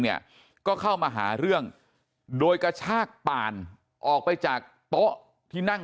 เนี่ยก็เข้ามาหาเรื่องโดยกระชากป่านออกไปจากโต๊ะที่นั่ง